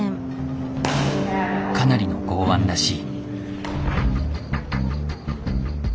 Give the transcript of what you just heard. かなりの剛腕らしい。